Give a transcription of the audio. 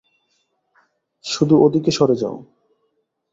শুধু ওদিকে সরে যাও।